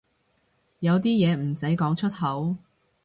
有啲嘢唔使講出口